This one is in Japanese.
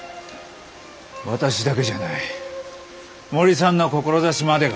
私だけじゃない森さんの志までが。